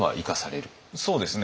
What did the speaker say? そうですね。